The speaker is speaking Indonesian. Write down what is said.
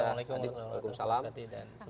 terima kasih assalamualaikum warahmatullahi wabarakatuh